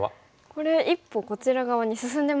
これ一歩こちら側に進んでますね。